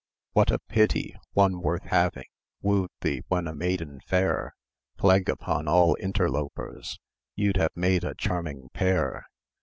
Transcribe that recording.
What a pity! One worth having Woo'd thee when a maiden fair. Plague upon all interlopers! You'd have made a charming pair.